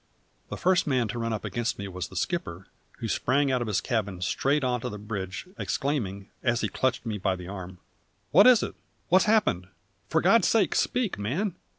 The first man to run up against me was the skipper, who sprang out of his cabin straight on to the bridge, exclaiming, as he clutched me by the arm: "What is it? What has happened? For God's sake speak, man!"